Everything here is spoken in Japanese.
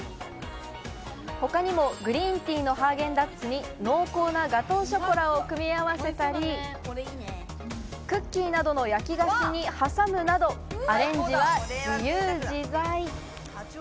他にもグリーンティーのハーゲンダッツに濃厚なガトーショコラを組み合わせたり、クッキーなどの焼菓子に挟むなど、アレンジは自由自在。